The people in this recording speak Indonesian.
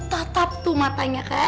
tatap tuh matanya kan